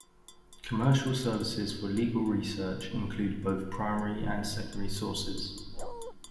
Commercial services for legal research include both primary and secondary sources.